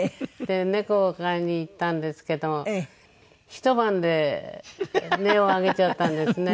猫を買いに行ったんですけどひと晩で音を上げちゃったんですね。